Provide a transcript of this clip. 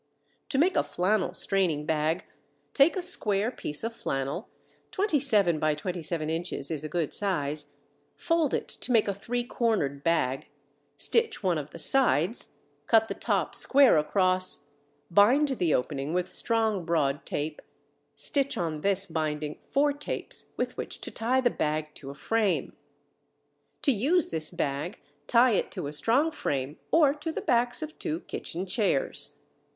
To make a flannel straining bag, take a square piece of flannel (27 by 27 inches is a good size), fold it to make a three cornered bag, stitch one of the sides, cut the top square across, bind the opening with strong, broad tape, stitch on this binding four tapes with which to tie the bag to a frame. To use this bag, tie it to a strong frame or to the backs of two kitchen chairs.